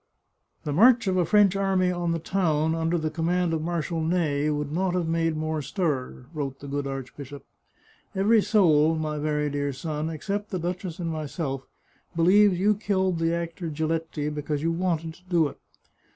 " The march of a French army on the town, under the command of Marshal Ney, would not have made more stir," wrote the good archbishop. " Every soul, my very dear son, except the duchess and myself, believes you killed the actor Giletti because you wanted to do it.